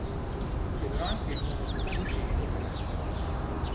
Chiedono anche il nuovo stadio civico promesso.